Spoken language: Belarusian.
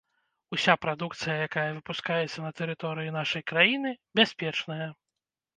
Уся прадукцыя, якая выпускаецца на тэрыторыі нашай краіны, бяспечная.